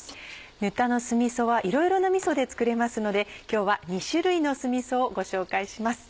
ぬたの酢みそはいろいろなみそで作れますので今日は２種類の酢みそをご紹介します。